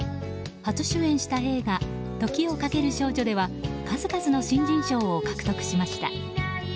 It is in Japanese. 初主演した映画「時をかける少女」では数々の新人賞を獲得しました。